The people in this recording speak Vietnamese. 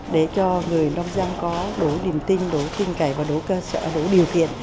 để cho người nông dân có đủ niềm tin đủ tin cậy và đủ cơ sở đủ điều kiện